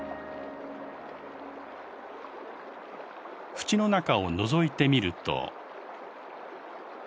ふちの中をのぞいてみると。